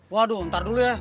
waduh ntar dulu ya